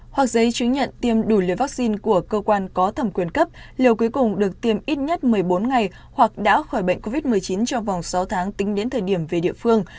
hoặc giấy chứng nhận tiêm đủ liều vaccine của cơ quan có thẩm quyền cấp liều cuối cùng được tiêm ít nhất một mươi bốn ngày hoặc đã khỏi bệnh covid một mươi chín trong vòng sáu tháng tính đến thời điểm về địa phương